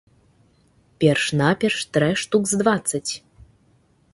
Перш-наперш трэ штук з дваццаць.